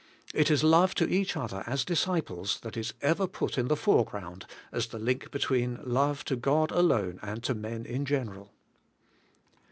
It is love to each other as disciples that is ever put in the fore ground as the link between love to God alone and to men in general.